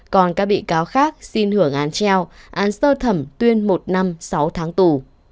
còn các bị cáo khác xin hưởng án treo án sơ thẩm tuyên một năm sáu tháng tù